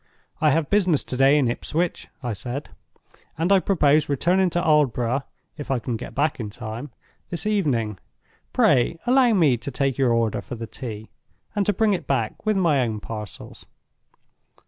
'I have business to day in Ipswich,' I said, 'and I propose returning to Aldborough (if I can get back in time) this evening. Pray allow me to take your order for the tea, and to bring it back with my own parcels.